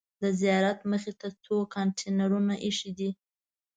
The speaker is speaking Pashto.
د زیارت مخې ته څو کانتینرونه ایښي دي.